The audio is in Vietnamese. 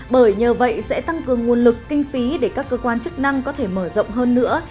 bởi nhờ vậy sẽ tăng cường nguồn lực kinh phí để các cơ quan chức năng có thể mở rộng hơn nữa